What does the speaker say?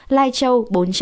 lai châu bốn trăm ba mươi tám